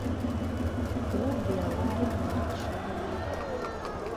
Ул биологияны яҡшы белә